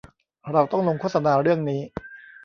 เราต้องลงโฆษณาเรื่องนี้